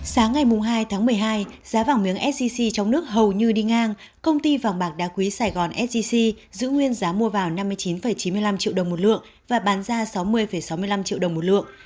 sáng ngày hai tháng một mươi hai giá vàng miếng sgc trong nước hầu như đi ngang công ty vàng bạc đa quý sài gòn sgc giữ nguyên giá mua vào năm mươi chín chín mươi năm triệu đồng một lượng và bán ra sáu mươi sáu mươi năm triệu đồng một lượng